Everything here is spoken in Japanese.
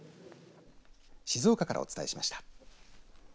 静岡からお伝えしました。